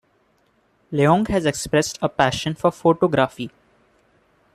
Leung has expressed a passion for photography.